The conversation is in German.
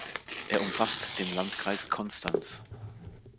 Er umfasst den Landkreis Konstanz.